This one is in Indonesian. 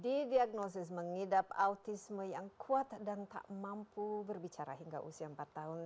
didiagnosis mengidap autisme yang kuat dan tak mampu berbicara hingga usia empat tahun